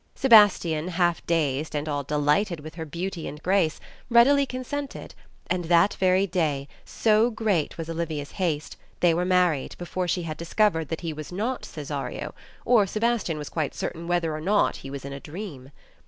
Sebastian, half dazed and all delighted with her beauty and grace, readily consented, and that very day, so great was Olivia's haste, they were married before she had discovered that he was not Cesario, or Sebastian was quite certain whether or not he was in a dream.